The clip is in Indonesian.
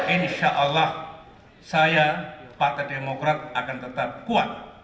insyaallah saya partai demokrat akan tetap kuat